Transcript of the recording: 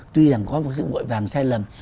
tuy rằng có một sự vội vàng sai lầm